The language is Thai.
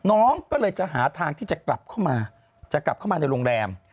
น้องก็เลยจะหาทางที่จะกลับเข้ามาจะกลับเข้ามาในโรงแรม